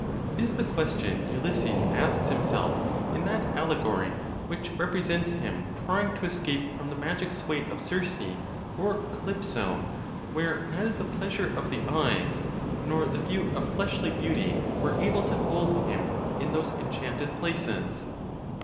is the question Ulysses asks himself in that allegory which represents him trying to escape from the magic sway of Circe or Calypso, where neither the pleasure of the eyes, nor the view of fleshly beauty were able to hold him in those enchanted places.